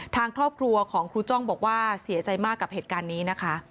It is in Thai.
ทางครอบครัวของครูจ้องบอกว่าเสียใจมากกับเหตุการณ์นี้นะคะ